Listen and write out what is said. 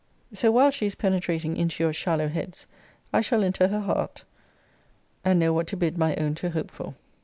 So, while she is penetrating into your shallow heads, I shall enter her heart, and know what to bid my own to hope for.